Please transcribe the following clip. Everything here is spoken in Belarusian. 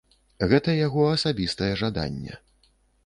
Гэта яго асабістае жаданне.